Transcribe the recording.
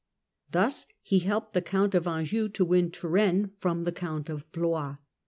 Thus he helped the Count of Anjou to win Touraine from the Count of Blois.